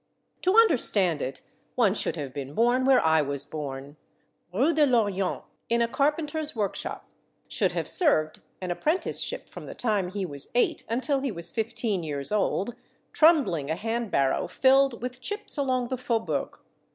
To understand it, one should have been born where I was born. Rue de I'Orillon, in a carpen ter's work shop, should have served an apprentice ship from the time he was eight until he was fifteen years old, trundling a hand barrow filled with chips along the faubourg.